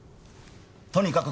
とにかく